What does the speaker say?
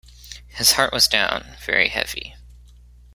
His heart was down, very heavy.